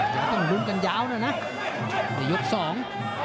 อย่าต้องลุ้มกันยาวน่ะนะในยกสอง